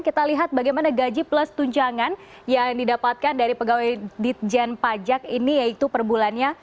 kita lihat bagaimana gaji plus tunjangan yang didapatkan dari pegawai ditjen pajak ini yaitu per bulannya